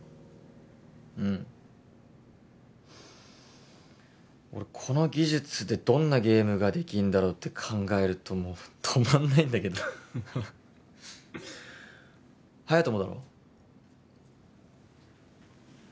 うん俺この技術でどんなゲームができんだろうって考えるともう止まんないんだけど隼人もだろ